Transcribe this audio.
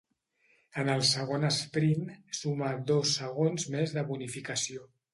En el segon esprint sumà dos segons més de bonificació.